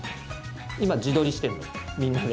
今自撮りしてるのみんなで。